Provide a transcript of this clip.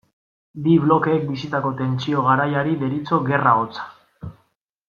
Bi blokeek bizitako tentsio garaiari deritzo Gerra hotza.